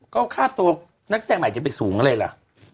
ก็ค่าตัวนักแสดงใหม่จะไปสูงกันเลยล่ะ